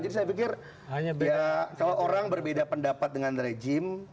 saya pikir kalau orang berbeda pendapat dengan rejim